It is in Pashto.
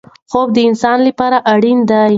خوب د انسان لپاره اړین دی.